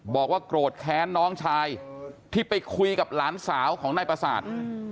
บอกว่าโกรธแค้นน้องชายที่ไปคุยกับหลานสาวของนายประสาท